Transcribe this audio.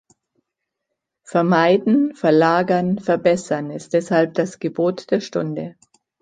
Vermeiden, verlagern, verbessern ist deshalb das Gebot der Stunde.